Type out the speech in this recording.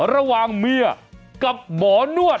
ระหว่างเมียกับหมอนวด